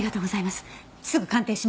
すぐ鑑定します。